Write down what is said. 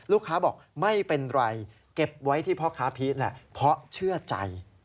ลูกค้าบอกไม่เป็นไรเก็บไว้ที่พ่อค้าพีชแหละเพราะเชื่อใจ